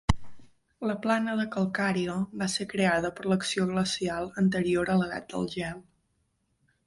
La plana de calcària va ser creada per l'acció glacial anterior a l'edat del gel.